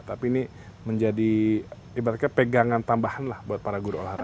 tapi ini menjadi ibaratnya pegangan tambahan lah buat para guru olahraga